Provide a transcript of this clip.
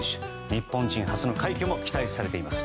日本人初の快挙も期待されています。